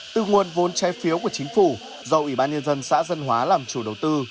từ nguồn vốn trai phiếu của chính phủ do ủy ban nhân dân xã dân hóa làm chủ đầu tư